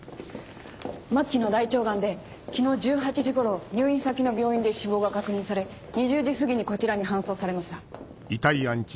末期の大腸がんで昨日１８時頃入院先の病院で死亡が確認され２０時すぎにこちらに搬送されました。